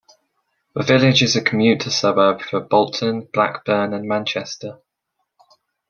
The village is a commuter suburb for Bolton, Blackburn and Manchester.